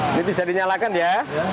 ini bisa dinyalakan ya